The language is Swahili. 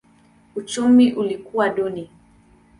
Uchumi ilikuwa duni.